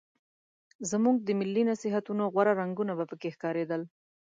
زموږ د ملي نصیحتونو غوره رنګونه به پکې ښکارېدل.